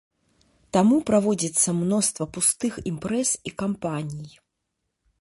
Таму праводзіцца мноства пустых імпрэз і кампаній.